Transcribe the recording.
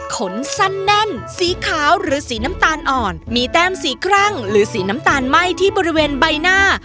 ขนสั้นแน่นสีขาวหรือสีน้ำตาลอ่อนมีแต้มสีครั่งหรือสีน้ำตาลไหม้ที่บริเวณใบหน้า